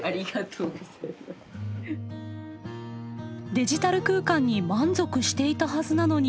デジタル空間に満足していたはずなのに。